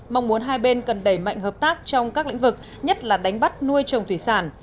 mong muốn hai bên cần đẩy mạnh hợp tác trong các lĩnh vực nhất là đánh bắt nuôi trồng thủy sản